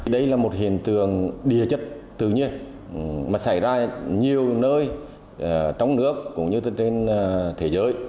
đây là một hiện tượng địa chất tự nhiên mà xảy ra nhiều nơi trong nước cũng như trên thế giới